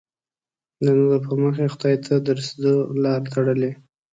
د نورو پر مخ یې خدای ته د رسېدو لاره تړلې.